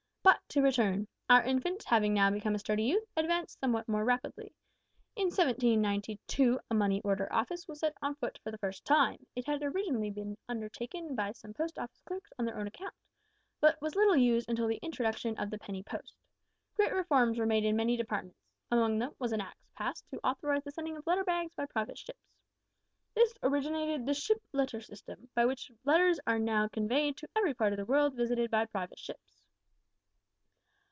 But, to return: Our infant, having now become a sturdy youth, advanced somewhat more rapidly. In 1792 a money order office was set on foot for the first time. It had been originally undertaken by some post office clerks on their own account, but was little used until the introduction of the penny postage. Great reforms were made in many departments. Among them was an Act passed to authorise the sending of letter bags by private ships. This originated the ship letter system, by which letters are now conveyed to every part of the world visited by private ships.